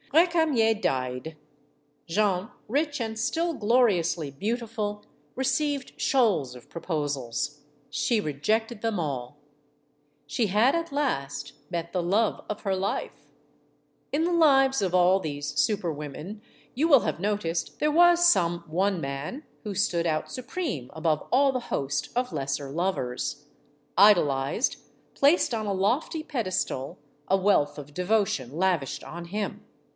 Recamier died. Jeanne, rich and still gloriously beautiful, received shoals of proposals. She rejected them all. She had at last met the love of her life. In the lives of all these super women, you will have no ticed, there was some one man who stood out supreme above all the host of lesser lovers; idolized, placed on a lofty pedestal, a wealth of devotion lavished on him.